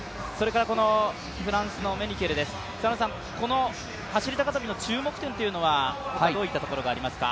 フランスのメニケルです、この走高跳の注目点というのはどういったところがありますか？